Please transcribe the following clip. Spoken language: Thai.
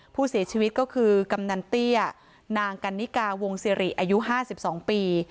ผู้เสียชีวิตก็คือกำนันเตี้ยนางกันนิกาวงศิริอายุ๕๒ปี